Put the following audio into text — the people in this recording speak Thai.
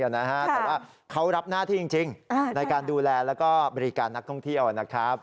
แต่ว่าเขารับหน้าที่จริงในการดูแลแล้วก็บริการนักท่องเที่ยวนะครับ